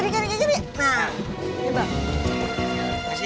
terima kasih pak